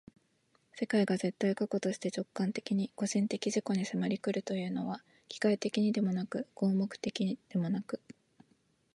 世界が絶対過去として直観的に個人的自己に迫り来るというのは、機械的にでもなく合目的的にでもなく、